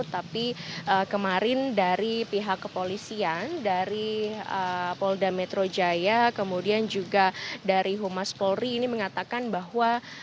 tapi kemarin dari pihak kepolisian dari polda metro jaya kemudian juga dari humas polri ini mengatakan bahwa